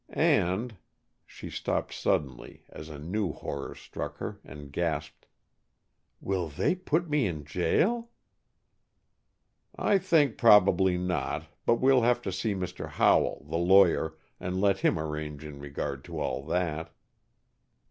And " she stopped suddenly as a new horror struck her, and gasped. "Will they put me in jail?" "I think probably not, but we'll have to see Mr. Howell, the lawyer, and let him arrange in regard to all that."